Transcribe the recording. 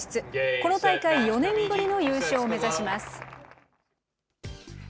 この大会４年ぶりの優勝を目指します。